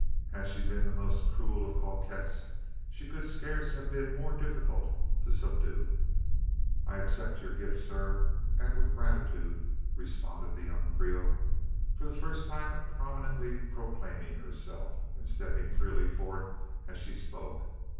Had she been the most cruel of coquettes, she could scarce have been more difficult to subdue." "I accept your gift, sir; and with gratitude," responded the young Creole for the first time prominently proclaiming herself, and stepping freely forth as she spoke.